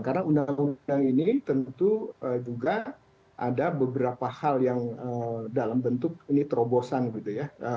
karena undang undang ini tentu juga ada beberapa hal yang dalam bentuk terobosan gitu ya